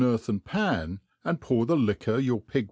earthen pan, and pour the liquor your pig.